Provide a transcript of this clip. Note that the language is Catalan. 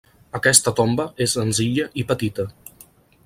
Aquesta tomba és senzilla i petita.